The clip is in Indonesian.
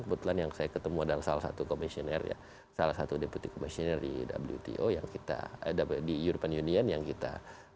kebetulan yang saya ketemu adalah salah satu komisioner salah satu deputi komisioner di wto di european union yang kita